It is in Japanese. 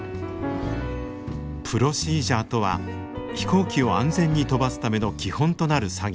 プロシージャーとは飛行機を安全に飛ばすための基本となる作業。